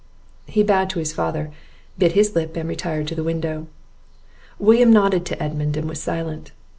He bowed to his father, bit his lip, and retired to the window. William nodded to Edmund, and was silent.